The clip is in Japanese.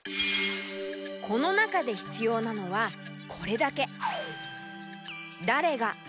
この中でひつようなのはこれだけ。